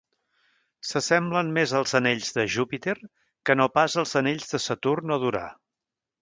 S'assemblen més als anells de Júpiter que no pas als anells de Saturn o d'Urà.